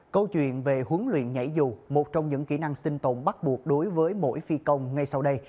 câu chuyện về huấn luyện nhảy dù một trong những kỹ năng sinh tồn bắt buộc đối với mỗi phi công ngay sau đây